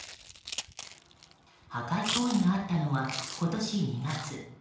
破壊行為があったのは今年２月。